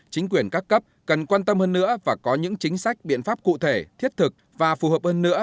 chính quyền các cấp cần quan tâm hơn nữa và có những chính sách biện pháp cụ thể thiết thực và phù hợp hơn nữa